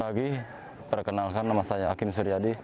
lagi perkenalkan nama saya hakim suryadi